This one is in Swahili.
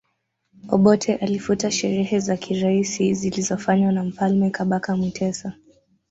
Obote alifuta sherehe za kiraisi zilizofanywa na Mfalme Kabaka Mutesa